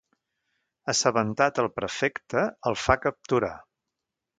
Assabentat el prefecte, el fa capturar.